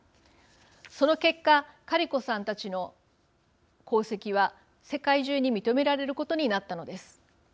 その結果カリコさんたちの功績は世界中に認められることになったのです。